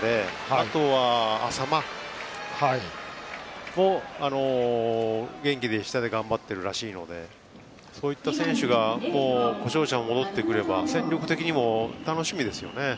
あとは、淺間も元気で下で頑張っているらしいのでそういった選手が故障者が戻ってくれば戦力的にも楽しみですよね。